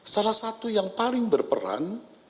salah satu yang paling berperan